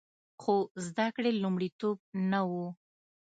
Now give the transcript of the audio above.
خو زده کړې لومړیتوب نه و